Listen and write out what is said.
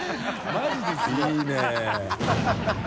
マジですごい。